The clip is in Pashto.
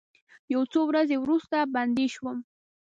یو څو ورځې وروسته بندي شوم.